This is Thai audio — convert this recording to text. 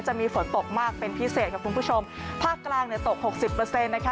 จะมีฝนตกมากเป็นพิเศษค่ะคุณผู้ชมภาคกลางเนี่ยตกหกสิบเปอร์เซ็นต์นะคะ